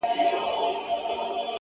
خپل عادتونه په دقت جوړ کړئ!.